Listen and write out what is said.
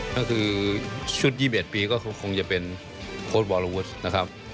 นั่นคือชุด๒๑ปีก็คงจะเป็นโพสต์บ่อแลวุยดนะครับ